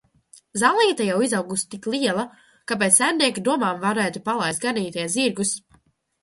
Zālīte jau izaugusi tik liela, ka pēc saimnieka domām varētu palaist ganīties zirgus.